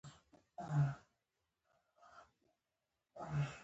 کرکټ د فټنس، صبر، او پلان جوړوني لوبه ده.